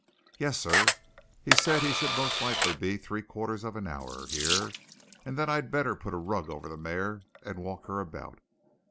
"Yes, sir. He said he should most likely be three quarters of an hour here, and that I'd better put a rug over the mare and walk her about."